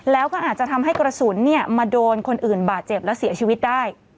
แล้วก็อาจจะทำให้กระสุนมาโดนคนอื่นบาดเจ็บและเสียชีวิตได้